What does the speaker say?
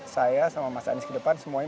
saya sama mas anies ke depan semuanya